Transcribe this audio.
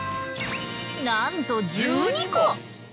なんと１２個！